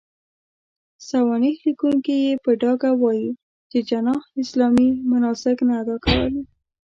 سوانح ليکونکي يې په ډاګه وايي، چې جناح اسلامي مناسک نه اداء کول.